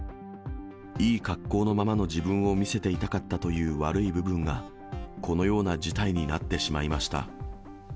いい格好のままの自分を見せていたかったという悪い部分が、このような事態になってしまいました。